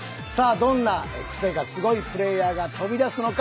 どんなクセがすごいプレーヤーが飛び出すのか